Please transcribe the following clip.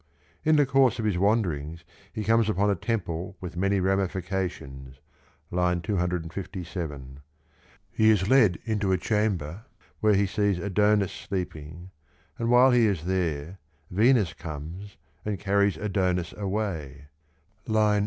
In the course of his wanderings he comes upon a temple with many ramifications (257); he is led into a chamber where he sees Adonis sleeping, and while he is there Venus comes and carries Adonis away (581); he 1 F.